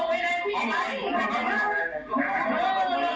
เจรจาต่อรองเงินไป๕ล้านแลกกับการปล่อยตัว